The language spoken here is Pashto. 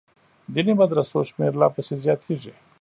دیني مدرسو شمېر لا پسې زیاتېږي.